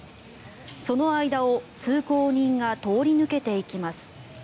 その間を通行人が通り抜けていきます。